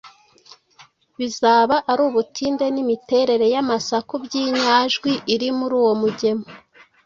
bizaba ari ubutinde n’imiterere y’amasaku by’inyajwi iri muri uwo mugemo.